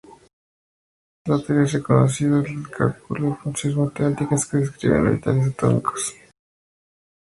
Slater es reconocido por el cálculo de funciones matemáticas que describen orbitales atómicos.